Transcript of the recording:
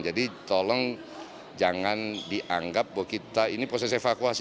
jadi tolong jangan dianggap bahwa ini proses evakuasi